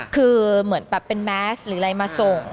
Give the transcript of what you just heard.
คือเหมือนแบบเป็นแมสหรืออะไรมาส่ง